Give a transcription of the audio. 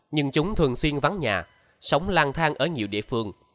nhưng chúng thường xuyên vắng nhà sống lang thang ở nhiều địa phương